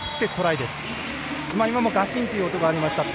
ガシンという音がありました。